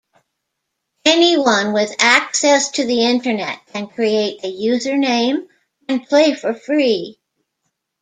Anyone with access to the Internet can create a username and play for free.